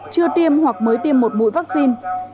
chưa tiêm hoặc mới tiêm một mũi vaccine